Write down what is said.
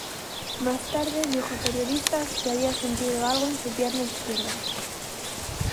Más tarde dijo a periodistas que había sentido algo en su pierna izquierda.